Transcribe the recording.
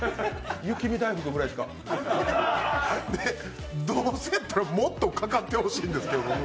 雪見だいふくぐらいしかどうせだったらもっとかかってほしいんですけど。